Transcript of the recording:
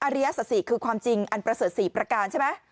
ริยศสิคือความจริงอันประเสริฐ๔ประการใช่ไหม